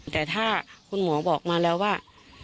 แต่ถ้าคุณหมอบอกมาแล้วว่า